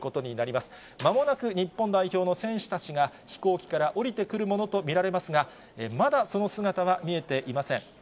まもなく日本代表の選手たちが、飛行機から降りてくるものと見られますが、まだその姿は見えていません。